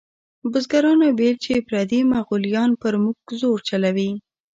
بزګرانو ویل چې پردي مغولیان پر موږ زور چلوي.